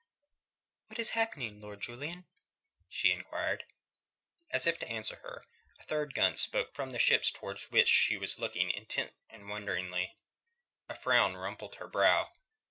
"What is happening, Lord Julian?" she enquired. As if to answer her a third gun spoke from the ships towards which she was looking intent and wonderingly. A frown rumpled her brow.